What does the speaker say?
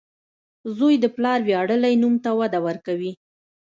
• زوی د پلار ویاړلی نوم ته وده ورکوي.